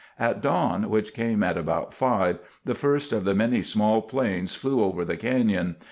At dawn, which came at about five, the first of the many small planes flew over the canyon.